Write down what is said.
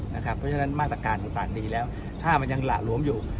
เพราะฉะนั้นมาตรการต่างดีแล้วถ้ามันยังหละหลวมอยู่